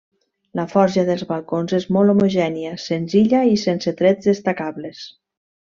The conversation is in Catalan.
La forja dels balcons és molt homogènia, senzilla i sense trets destacables.